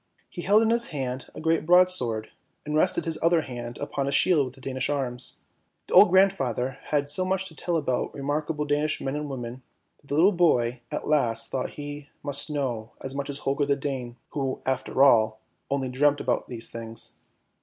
He held in his hand a great broadsword, and rested his other hand upon a shield with the Danish Arms. The old grandfather had so much to tell about remarkable Danish men and women, that the little boy at last thought he must know as much as Holger the Dane, who, after all, only dreamt about these things.